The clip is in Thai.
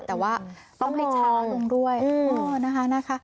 แต่ว่าต้องให้ช้าลงด้วยนะคะ